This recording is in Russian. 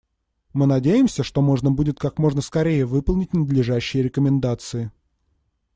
Мы надеемся, что можно будет как можно скорее выполнить надлежащие рекомендации.